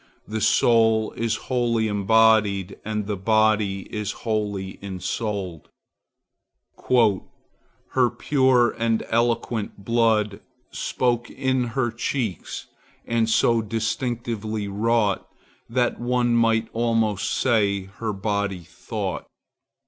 The soul is wholly embodied, and the body is wholly ensouled:— "Her pure and eloquent blood Spoke in her cheeks, and so distinctly wrought, That one might almost say her body thought."